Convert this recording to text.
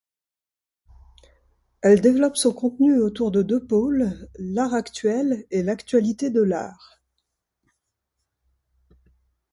Elle développe son contenu autour de deux pôles, l'art actuel et l'actualité de l'art.